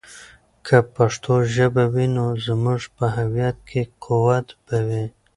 که پښتو ژبه وي، نو زموږ په هویت کې قوت به وي.